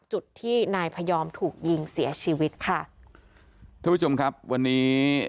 จุดที่นายพยอมถูกยิงเสียชีวิตค่ะท่านผู้ชมครับวันนี้